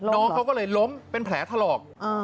น้องเขาก็เลยล้มเป็นแผลถลอก